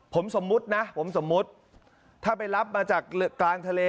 ผมสมมุตินะผมสมมุติถ้าไปรับมาจากกลางทะเล